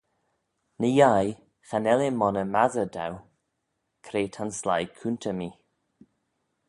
Ny-yeih cha nel eh monney madyr dou, cre ta'n sleih coontey mee.